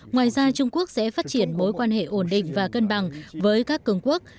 ngoài ra trung quốc sẽ phát triển mối quan hệ ổn định và cân bằng với các cường quốc